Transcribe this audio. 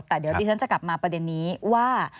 แต่เดี๋ยวดิฉันจะกลับมาประเด็นนี้ว่า